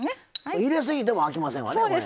入れすぎてもあきませんわね。